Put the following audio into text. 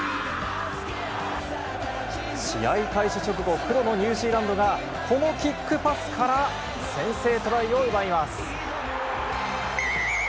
試合開始直後、黒のニュージーランドが、このキックパスから先制トライを奪います。